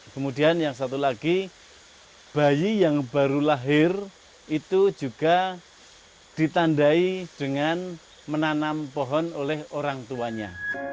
kemudian yang satu lagi bayi yang baru lahir itu juga ditandai dengan menanam pohon oleh orang tuanya